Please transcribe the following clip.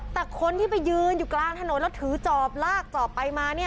แต่คนที่ไปยืนอยู่กลางถนนแล้วถือจอบลากจอบไปมาเนี่ย